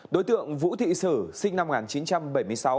đối tượng vũ thị sử sinh năm một nghìn chín trăm bảy mươi sáu